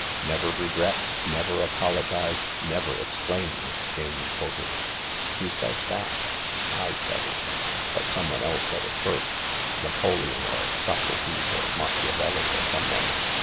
"Never regret, never apologise, never explain," Jane quoted. "Who said that?" " I said it. But someone else said it first. Napoleon or Socrates or Machiavelli or someone.